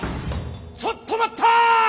ちょっと待ったぁ！